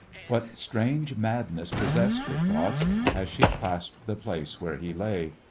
What strange madness possessed her thoughts as she clasped the place where he lay.